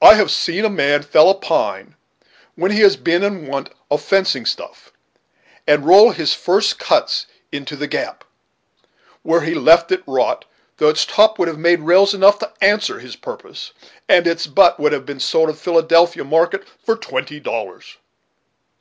I have seen a man fell a pine, when he has been in want of fencing stuff, and roll his first cuts into the gap, where he left it to rot, though its top would have made rails enough to answer his purpose, and its butt would have sold in the Philadelphia market for twenty dollars."